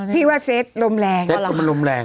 พี่ว่าเซ็ทลมแรงลมแรง